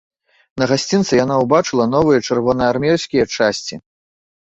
На гасцінцы яна ўбачыла новыя чырвонаармейскія часці.